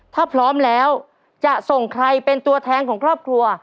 ถ้าพร้อมแล้วจะส่งใครเป็นตัวแทนของครอบครัว